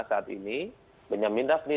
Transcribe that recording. saat ini benyamin dhafni